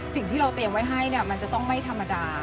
สิ่งที่เราเตรียมไว้ให้มันจะต้องไม่ธรรมดา